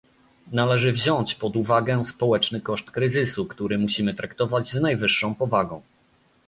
Należy wziąć pod uwagę społeczny koszt kryzysu, który musimy traktować z najwyższą powagą